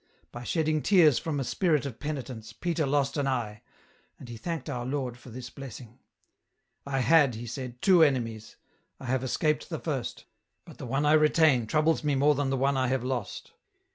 By shedding tears from a spirit of penitence, Peter lost an eye, and he thanked our Lord for this blessing, ' I had ' he said, * two enemies • I have escaped the first, but the one I retain troubles me more than the one I have lost.'